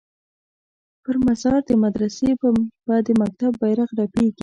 پر مزار د مدرسې به د مکتب بیرغ رپیږي